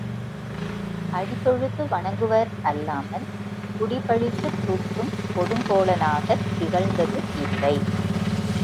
அடி தொழுது வணங்குவர் அல்லாமல், குடி பழித்துத் தூற்றுங் கொடுங்கோலனாகத் திகழ்ந்தது இல்லை.